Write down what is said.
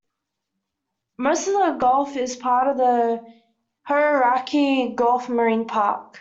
Most of the gulf is part of the Hauraki Gulf Marine Park.